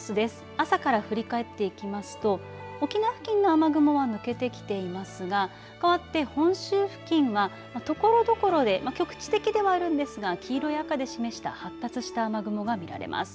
朝から振り返っていきますと沖縄付近の雨雲は抜けてきていますがかわって本州付近はところどころで局地的ではあるんですが黄色い赤で示した発達した雨雲が見られます。